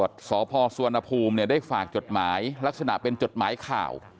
สพสุวรรณภูมิได้ฝากจดหมายลักษณะเป็นจดหมายข่าว